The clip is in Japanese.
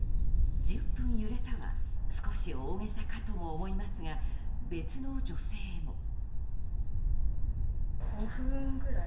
１０分揺れたは少し大げさかとも思いますが別の女性も。